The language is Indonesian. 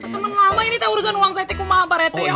temen lama ini teh urusan uang saya tidak mau maaf pak rete